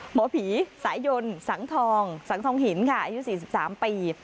หมอผีสายยนต์สังทองสังทองหินค่ะอายุ๔๓ปี